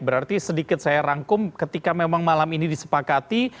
berarti sedikit saya rangkum ketika memang malam ini disepakati